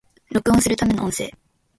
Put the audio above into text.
録音するための音声